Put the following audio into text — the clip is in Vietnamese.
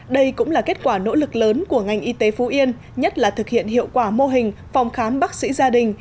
đây cũng là kết quả nỗ lực lớn của ngành y tế phú yên nhất là thực hiện hiệu quả mô hình phòng khám bác sĩ gia đình